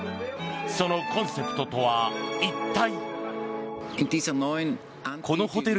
そのコンセプトとは一体。